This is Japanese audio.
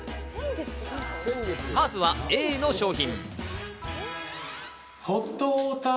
まずはＡの商品。